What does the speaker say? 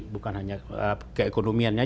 bukan hanya keekonomiannya